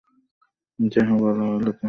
যাহা বলা হইল, তাহা মুখে বলা তো খুব সহজ।